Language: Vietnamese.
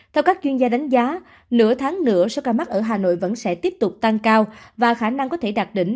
theo các chuyên gia đánh giá nửa tháng nữa số ca mắc ở hà nội vẫn sẽ tiếp tục tăng cao và khả năng có thể đạt đỉnh